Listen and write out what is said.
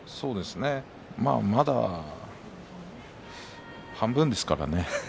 まあまだ半分ですからね。